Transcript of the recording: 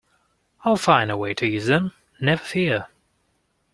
I'll find a way to use them, never fear!